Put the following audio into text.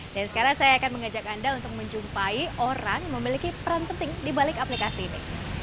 dan sekarang saya akan mengajak anda untuk menjumpai orang yang memiliki peran penting di balik aplikasi ini